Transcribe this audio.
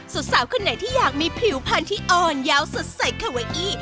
สาวคนไหนที่อยากมีผิวพันธุ์ที่อ่อนยาวสดใสคาเวอี้